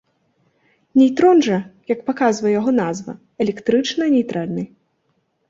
Нейтрон жа, як паказвае яго назва, электрычна нейтральны.